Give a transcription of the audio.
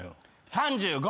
３５。